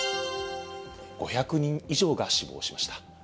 ５００人以上が死亡しました。